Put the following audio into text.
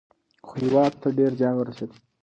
خو هیواد ته ډیر زیان ورسېد.